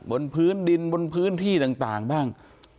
บนพื้นดินบนพื้นที่ต่างบ้าง